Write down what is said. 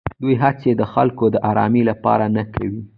دوی هېڅې د خلکو د ارامۍ لپاره نه کوي.